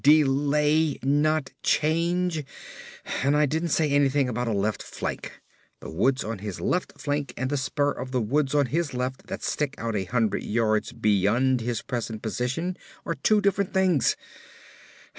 "Delay, not change! And I didn't say anything about a left flank! The woods on his left flank and the spur of woods on his left that stick out a hundred yards beyond his present position are two different things!